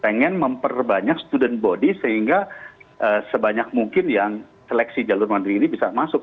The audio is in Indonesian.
pengen memperbanyak student body sehingga sebanyak mungkin yang seleksi jalur mandiri ini bisa masuk